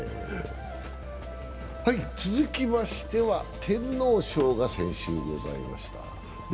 続きましては、天皇賞が先週ございました。